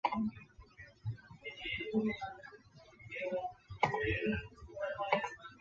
阳城光黑腹菌是属于牛肝菌目黑腹菌科光黑腹菌属的一种担子菌。